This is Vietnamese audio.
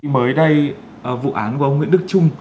mới đây vụ án của ông nguyễn đức trung